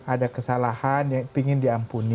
ada kesalahan yang ingin diampuni